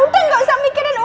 udah gak usah mikirin iya